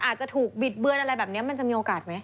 อาจจะถูกบิดเบือนอะไรแบบนี้มันจะมีโอกาสไหม